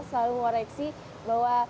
selalu ngoreksi bahwa